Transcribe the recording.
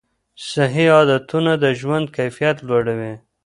صحي عادتونه د ژوند کیفیت لوړوي.